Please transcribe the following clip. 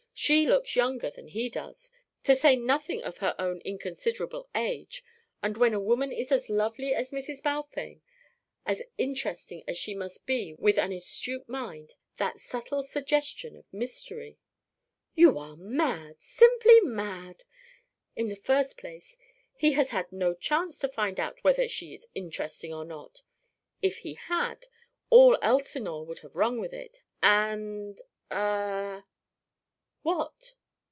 She looks younger than he does, to say nothing of her own inconsiderable age; and when a woman is as lovely as Mrs. Balfame, as interesting as she must be with that astute mind, that subtle suggestion of mystery " "You are mad, simply mad. In the first place, he has had no chance to find out whether she is interesting or not if he had, all Elsinore would have rung with it. And ah " "What?"